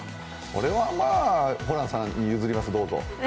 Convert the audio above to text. それはまぁ、ホランさんに譲ります、どうぞ。